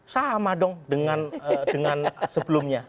sama dong dengan sebelumnya